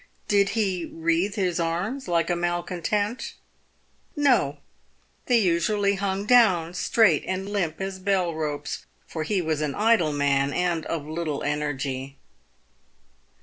Did he wreathe his arms like a malcontent ? No ! they usually hung down straight and limp as bellropes, for he was an idle man, and of little energy.